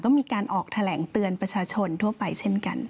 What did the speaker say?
ก็มีการออกแถลงเตือนประชาชนทั่วไปเช่นกัน